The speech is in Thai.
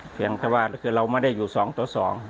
เพียงแต่ว่าเราไม่ได้อยู่สองตัวสอง